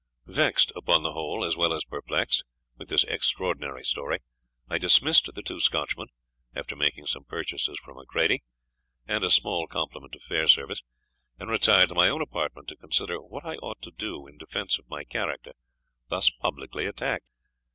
Vexed upon the whole, as well as perplexed, with this extraordinary story, I dismissed the two Scotchmen, after making some purchases from Macready, and a small compliment to Fairservice, and retired to my own apartment to consider what I ought to do in defence of my character thus publicly attacked.